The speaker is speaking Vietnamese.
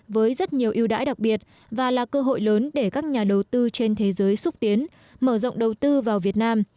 với rất nhiều yêu đãi đặc biệt và là cơ hội lớn để các nhà đầu tư trên thế giới xúc tiến mở rộng đầu tư vào việt nam